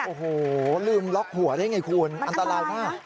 โอ้โหลืมล็อกหัวได้ไงคุณอันตรายมาก